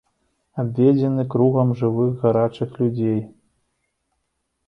Абведзены кругам жывых гарачых людзей.